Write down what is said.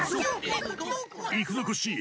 いくぞコッシー！